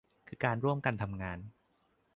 คือการร่วมกันทำงาน